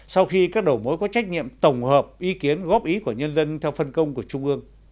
sau khi các đầu mối có trách nhiệm tổng hợp ý kiến góp ý của nhân dân theo phân công của trung ương